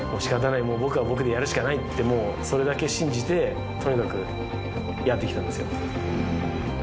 もうしかたない。ってもうそれだけ信じてとにかくやってきたんですよ。